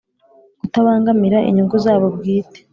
kutabangamira inyungu zabo bwite